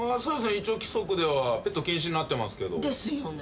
一応規則ではペット禁止になってますけど。ですよね。